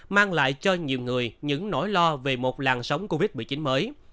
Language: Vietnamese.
mang lại cho nhiều người những nỗi lo về một làn sóng covid một mươi chín mới